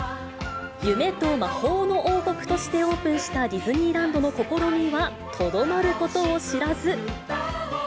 夢と魔法の王国としてオープンしたディズニーランドの試みはとどまることを知らず。